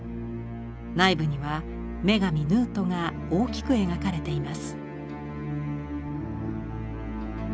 内部には女神ヌウトが大きく描かれています。